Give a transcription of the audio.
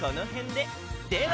では！